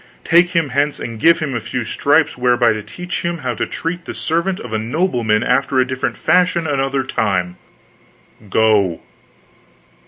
"Take him hence and give him a few stripes whereby to teach him how to treat the servant of a nobleman after a different fashion another time. Go!"